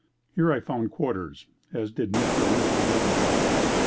Here I found quarters, as did Mr. and Mrs. Dayton.